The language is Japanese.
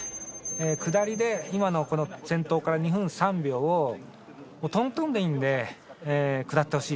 下りで今の先頭から２分３秒をトントンでいいんで下ってほしい。